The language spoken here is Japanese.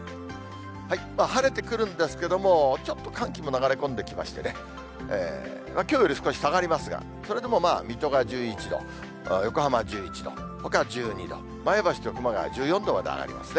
晴れてくるんですけども、ちょっと寒気も流れ込んできましてね、きょうより少し下がりますが、それでもまあ水戸が１１度、横浜１１度、ほか１２度、前橋と熊谷は１４度まで上がりますね。